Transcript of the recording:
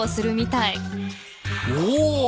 おお。